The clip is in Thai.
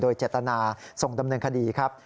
โดยเจตนาส่งดำเนินคดีครับ